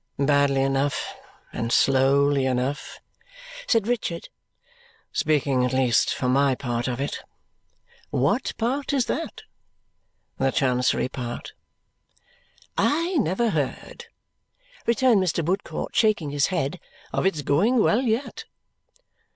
"Badly enough, and slowly enough," said Richard, "speaking at least for my part of it." "What part is that?" "The Chancery part." "I never heard," returned Mr. Woodcourt, shaking his head, "of its going well yet."